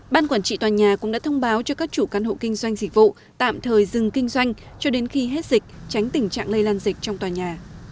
ban quản trị tòa nhà cũng đã thông báo cho các chủ căn hộ kinh doanh dịch vụ tạm thời dừng kinh doanh cho đến khi hết dịch tránh tình trạng lây lan dịch trong tòa nhà